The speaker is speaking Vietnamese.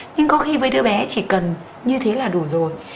nhưng có khi với đứa bé chỉ cần như thế là đủ rồi